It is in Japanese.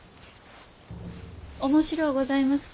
面白うございますか？